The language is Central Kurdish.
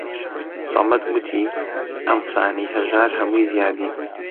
سەمەد گوتی: ئەم قسانەی هەژار هەمووی زیادین